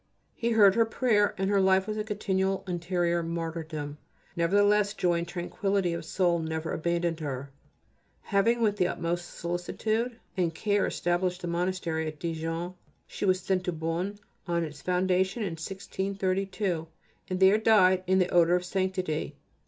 He heard her prayer, and her life was a continual interior martyrdom, nevertheless joy and tranquility of soul never abandoned her. Having with the utmost solicitude and care established the monastery of Dijon, she was sent to Beaune, on its foundation in 1632, and there died in the odour of sanctity.